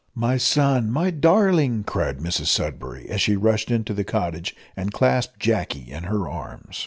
"My son, my darling!" cried Mrs Sudberry, as she rushed into the cottage, and clasped Jacky in her arms.